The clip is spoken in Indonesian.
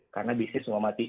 karena bisnis semua mati